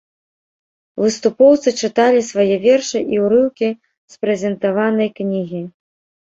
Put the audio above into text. Выступоўцы чыталі свае вершы і ўрыўкі з прэзентаванай кнігі.